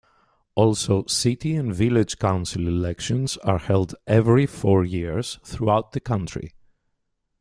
Also City and Village Council elections are held every four years throughout the country.